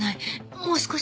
もう少し。